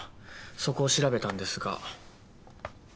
そこを調べたんですが。